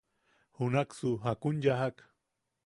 –¿Junaksu jakun yajak?